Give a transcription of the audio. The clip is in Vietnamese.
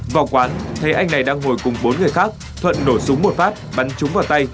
vào quán thấy anh này đang ngồi cùng bốn người khác thuận nổ súng một phát bắn trúng vào tay